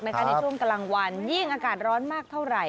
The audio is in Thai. ในช่วงกลางวันยิ่งอากาศร้อนมากเท่าไหร่